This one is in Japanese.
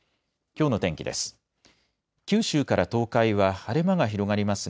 きょうの天気です。